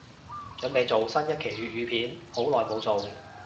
凖備做新一期粤語片，好耐無做